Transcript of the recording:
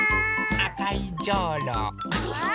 あかいじょうろ。